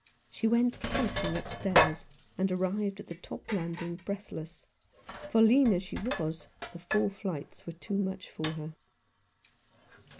She went panting upstairs, and arrived at the top landing breathless ; for, lean as she was, the four flights were too much for her.